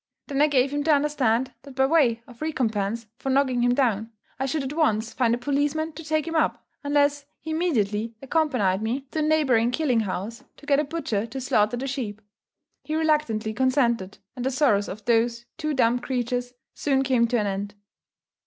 Then I gave him to understand, that by way of recompense for knocking him down, I should at once find a policeman to take him up, unless he immediately accompanied me to a neighbouring killing house, to get a butcher to slaughter the sheep. He reluctantly consented, and the sorrows of those two dumb creatures soon came to an end.